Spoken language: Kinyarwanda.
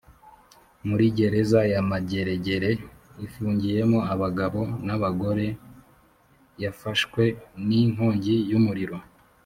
muri gereza ya mageregere ifungiyemo abagabo n’abagore yafashwe ni nkongi yu muriro